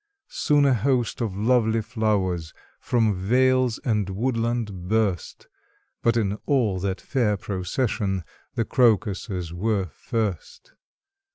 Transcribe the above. Soon a host of lovely flowers From vales and woodland burst; But in all that fair procession The crocuses were first.